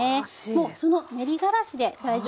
もうその練りがらしで大丈夫です。